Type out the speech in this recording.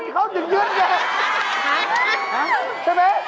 ห้ามใช่ไหม